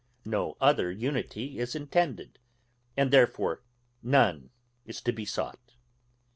No other unity is intended, and therefore none is to be sought.